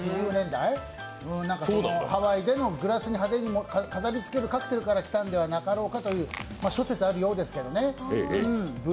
ハワイでのグラスに派手に飾りつけるカクテルから来たのではなかろうかという、諸説あるようですけどね。